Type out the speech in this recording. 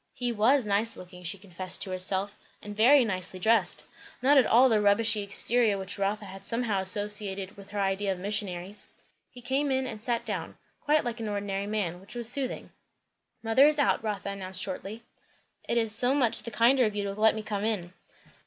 He was nice looking, she confessed to herself, and very nicely dressed! not at all the rubbishy exterior which Rotha somehow associated with her idea of missionaries. He came in and sat down, quite like an ordinary man; which was soothing. "Mother is out," Rotha announced shortly. "It is so much the kinder of you to let me come in."